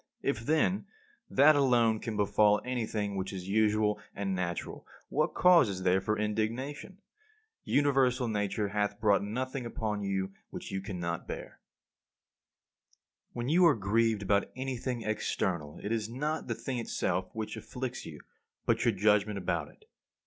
If, then, that alone can befall anything which is usual and natural, what cause is there for indignation? Universal Nature hath brought nothing upon you which you cannot bear. 47. When you are grieved about anything external it is not the thing itself which afflicts you, but your judgment about it.